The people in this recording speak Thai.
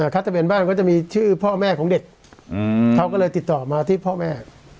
ถ้าทะเบียนบ้านก็จะมีชื่อพ่อแม่ของเด็กเขาก็เลยติดต่อมาที่พ่อแม่